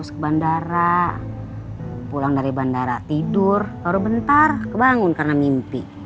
terus ke bandara pulang dari bandara tidur baru bentar kebangun karena mimpi